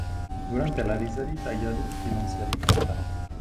Durante la risalita gli adulti non si alimentano.